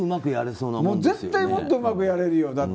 絶対もっとうまくやれるよ。